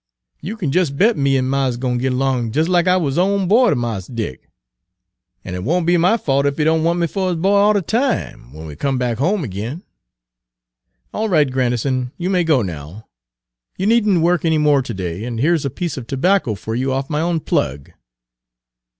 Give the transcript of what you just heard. You kin jes' bet me and Mars Dick gwine git 'long jes' lack I wuz own boy ter Mars Dick. En it won't be my fault ef he don' want me fer his boy all de time, w'en we come back home ag'in." "All right, Grandison, you may go now. You need n't work any more to day, and here's a piece of tobacco for you off my own plug."